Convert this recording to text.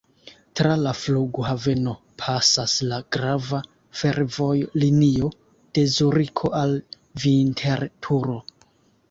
Tra la flughaveno pasas la grava fervojlinio de Zuriko al Vinterturo.